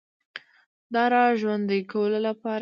د را ژوندۍ کولو لپاره